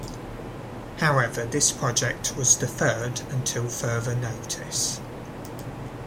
However this project was deferred until further notice.